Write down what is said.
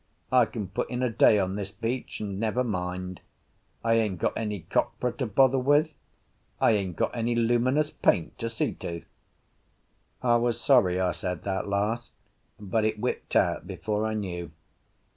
I can put in a day on this beach and never mind. I ain't got any copra to bother with. I ain't got any luminous paint to see to." I was sorry I said that last, but it whipped out before I knew.